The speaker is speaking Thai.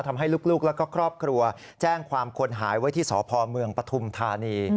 ทำให้ลูกแล้วก็ครอบครัวแจ้งความคนหายไว้ที่สพเมืองปฐุมธานี